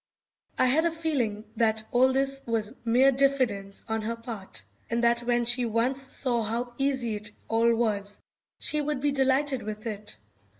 I had a feeling that all this was mere diffidence on her part, and that when she once saw how easy it all was she would be delighted with it.